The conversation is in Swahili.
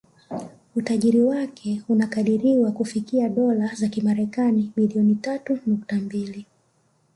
Utajiri wake unakadiriwa kufikia Dola za kimarekani bilioni tatu nukta mbili